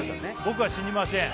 「僕は死にましぇん」